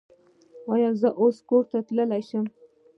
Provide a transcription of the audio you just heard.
ایا زه اوس کور ته تلی شم؟